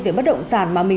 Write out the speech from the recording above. về bất động sản mà mình